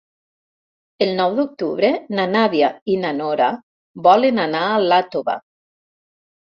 El nou d'octubre na Nàdia i na Nora volen anar a Iàtova.